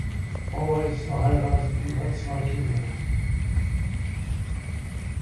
Bauer ist verheiratet und hat zwei Kinder.